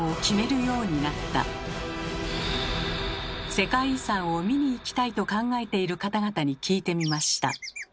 世界遺産を見に行きたいと考えている方々に聞いてみました。